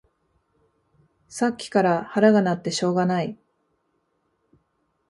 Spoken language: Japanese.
さっきから腹が鳴ってしょうがない